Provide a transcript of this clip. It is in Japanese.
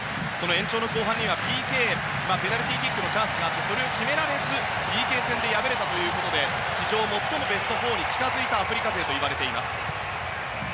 延長の後半にはペナルティーキックのチャンスがあってそれを決められずＰＫ戦で敗れたということで史上最もベスト４に近づいたアフリカ勢と言われています。